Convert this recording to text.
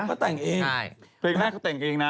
เขาก็แต่งเอง